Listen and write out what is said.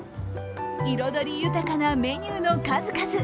彩り豊かなメニューの数々。